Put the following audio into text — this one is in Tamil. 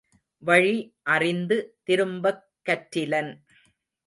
வழி அறிந்து திரும்பக் கற்றிலன்.